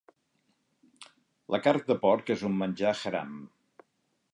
La carn de porc és un menjar haram.